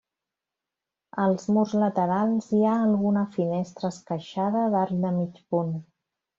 Als murs laterals hi ha alguna finestra esqueixada d'arc de mig punt.